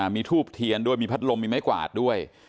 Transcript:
มีทูบเทียนด้วยมีพัดลมมีไม้กวาดด้วย